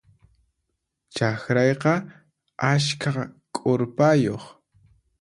Chakrayqa askha k'urpayuq.